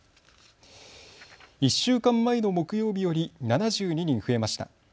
１週間前の木曜日より７２人増えました。